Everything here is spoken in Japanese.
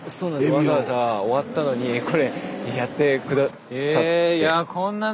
わざわざ終わったのにこれやって下さって。